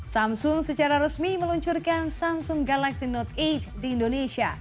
samsung secara resmi meluncurkan samsung galaxy note delapan di indonesia